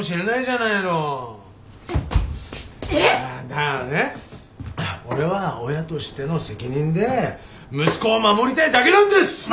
だからね俺は親としての責任で息子を守りたいだけなんです！